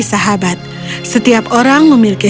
sahabat setiap orang memiliki